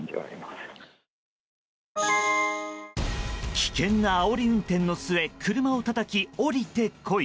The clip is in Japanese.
危険なあおり運転の末車をたたき、降りてこい。